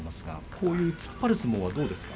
こういう突っ張る相撲はどうですか。